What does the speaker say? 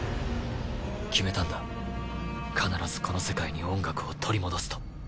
決めたんだ必ずこの世界に音楽を取り戻すと。